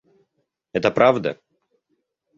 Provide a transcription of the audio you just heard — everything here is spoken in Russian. Это правда?